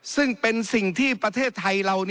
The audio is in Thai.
ซึ่งเป็นสิ่งที่ประเทศไทยเรา